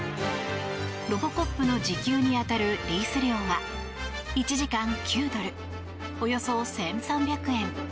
ロボコップの時給に当たるリース料は１時間９ドルおよそ１３００円。